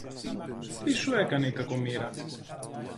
Τι σου έκανε η κακομοίρα;